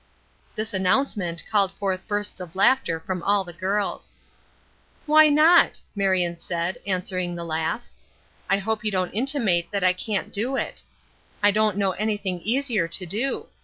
This announcement called forth bursts of laughter from all the girls. "Why not?" Marion said, answering the laugh. "I hope you don't intimate that I can't do it. I don't know anything easier to do.